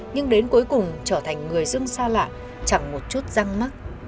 nhưng đến cuối cùng trở thành người dưng xa lạ chẳng một chút răng mắt